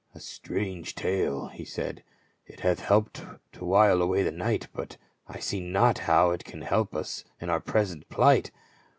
"A strange tale," he said ;" it hath helped to while away the night ; but I see not how it can help us in our present plight."